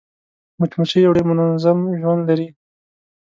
مچمچۍ یو ډېر منظم ژوند لري